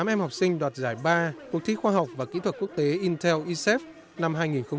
tám em học sinh đoạt giải ba cuộc thi khoa học và kỹ thuật quốc tế intel isef năm hai nghìn một mươi chín